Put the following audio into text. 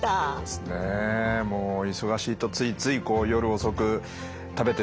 もう忙しいとついつい夜遅く食べてしまったりと。